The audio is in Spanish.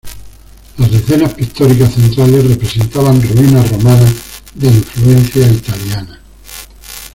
Las escenas pictóricas centrales representaban ruinas romanas de influencia italiana.